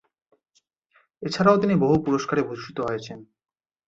এছাড়াও তিনি বহু পুরস্কারে ভূষিত হয়েছেন।